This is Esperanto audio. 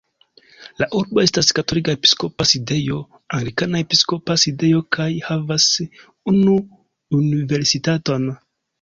La urbo estas katolika episkopa sidejo, anglikana episkopa sidejo kaj havas unu universitaton.